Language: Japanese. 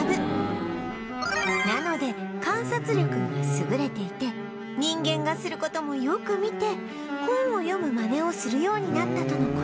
なので観察力が優れていて人間がする事もよく見て本を読むマネをするようになったとの事